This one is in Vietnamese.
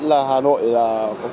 là hà nội sẽ có thể